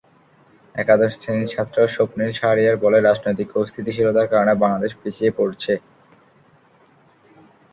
একাদশ শ্রেণির ছাত্র স্বপ্নিল শাহরিয়ার বলে, রাজনৈতিক অস্থিতিশীলতার কারণে বাংলাদেশ পিছিয়ে পড়ছে।